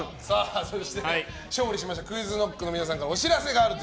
そして勝利したＱｕｉｚＫｎｏｃｋの皆さんからお知らせが。